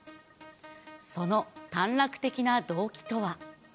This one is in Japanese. その短絡的な動機とは。